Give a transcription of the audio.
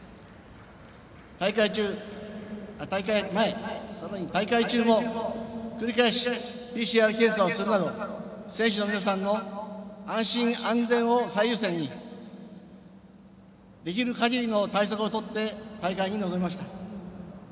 大会前、さらに大会中も繰り返しＰＣＲ検査をするなど選手の皆さんの安心安全を最優先にできるかぎりの対策をとって大会に臨みました。